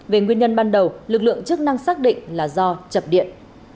về nguyên nhân ban đầu lực lượng chức năng xác định là do chập điện